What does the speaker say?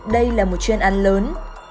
đây là một chuyên án lớn